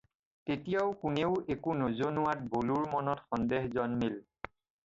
তেতিয়াও কোনেও একো নজনোৱাত বলোৰ মনত সন্দেহ জন্মিল।